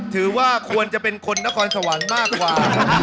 ถือว่าควรจะเป็นคนนครสวรรค์มากกว่า